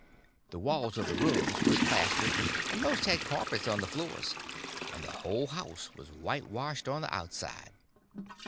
The walls of all the rooms was plastered, and most had carpets on the floors, and the whole house was whitewashed on the outside.